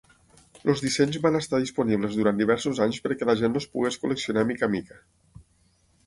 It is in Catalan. Els dissenys van estar disponibles durant diversos anys perquè la gent els pogués col·leccionar mica a mica.